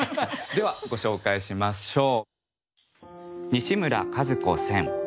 ではご紹介しましょう。